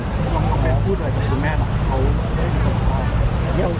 คุณแม่พูดอะไรกับคุณแม่บ้าง